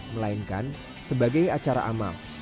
melainkan sebagai acara amal